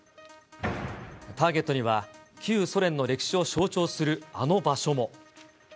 ターゲットには、旧ソ連の歴史を象徴するあの場所も。